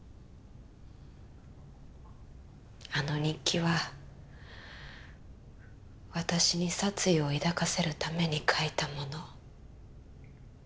あの日記は私に殺意を抱かせるために書いたもの。